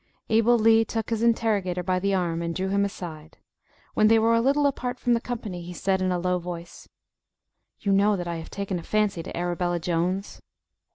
Abel Lee took his interrogator by the arm, and drew him aside. When they were a little apart from the company, he said in a low voice "You know that I have taken a fancy to Arabella Jones?"